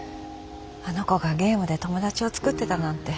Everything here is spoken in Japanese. あの子がゲームで友達を作ってたなんて。